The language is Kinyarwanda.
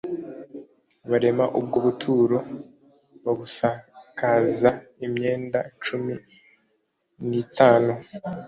barema ubwo buturo babusakaza imyenda cumini tanu